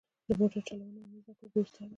د موټر چلوونه مه زده کوه بې استاده.